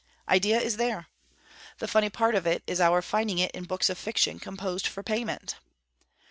Idea is there. The funny part of it is our finding it in books of fiction composed for payment.